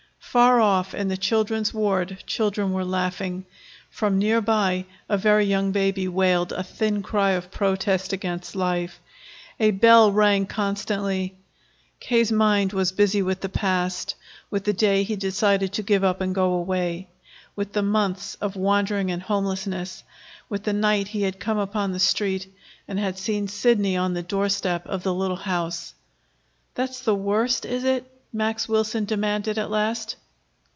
Far off, in the children's ward, children were laughing; from near by a very young baby wailed a thin cry of protest against life; a bell rang constantly. K.'s mind was busy with the past with the day he decided to give up and go away, with the months of wandering and homelessness, with the night he had come upon the Street and had seen Sidney on the doorstep of the little house. "That's the worst, is it?" Max Wilson demanded at last.